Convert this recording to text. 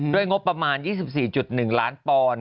งบประมาณ๒๔๑ล้านปอนด์